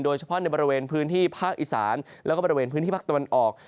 โดยเฉพาะในบริเวณพื้นที่ภาคอีสานแล้วก็บริเวณพื้นที่ภาคตะวันออก